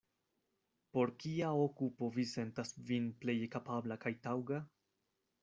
Por kia okupo vi sentas vin pleje kapabla kaj taŭga?